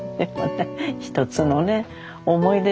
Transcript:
一つのね思い出です。